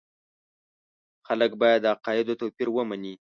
خلک باید د عقایدو توپیر ومني.